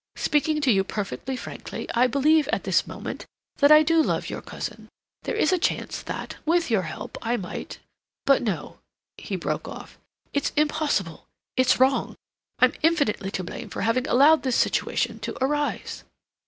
Speaking to you perfectly frankly, I believe at this moment that I do love your cousin; there is a chance that, with your help, I might—but no," he broke off, "it's impossible, it's wrong—I'm infinitely to blame for having allowed this situation to arise."